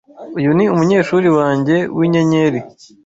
Uyu ni umunyeshuri wanjye winyenyeri.